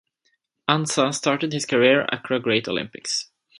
Ansah started his career Accra Great Olympics.